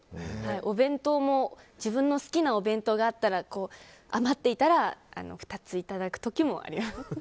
お弁当も自分の好きなお弁当があったら余っていたら２ついただく時もあります。